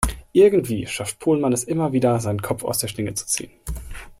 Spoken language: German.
Irgendwie schafft Pohlmann es immer wieder, seinen Kopf aus der Schlinge zu ziehen.